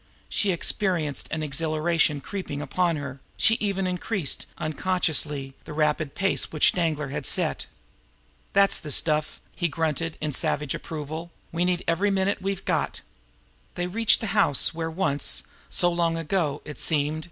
She experienced an exhilaration creeping upon her; she even increased, unconsciously, the rapid pace which Danglar had set. "That's the stuff!" he grunted in savage approval. "We need every minute we've got." They reached the house where once so long ago now, it seemed!